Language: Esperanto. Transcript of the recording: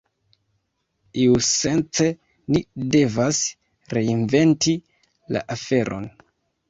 Iusence ni devas reinventi la aferon.